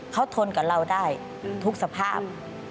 เขาทนกับเราได้ทุกสภาพ